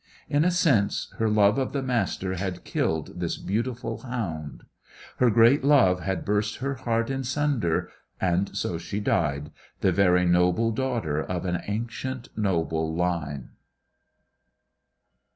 In a sense, her love of the Master had killed this beautiful hound. Her great love had burst her heart in sunder, and so she died, the very noble daughter of an ancient, noble line.